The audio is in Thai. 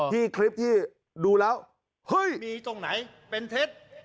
อ๋อที่คลิปที่ดูแล้วมีตรงไหนเป็นเทส